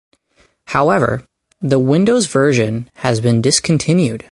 However the Windows version has been discontinued.